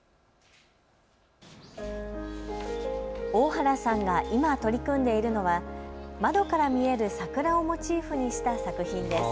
大原さんが今、取り組んでいるのは窓から見える桜をモチーフにした作品です。